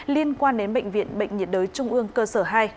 liên quan đến bệnh viện bệnh nhiệt đới trung ương cơ sở hai